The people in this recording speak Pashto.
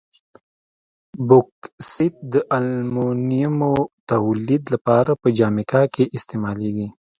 بوکسیت د المونیمو تولید لپاره په جامیکا کې استعمالیږي.